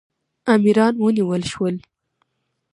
امیران ونیول شول.